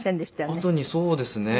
痕にそうですね。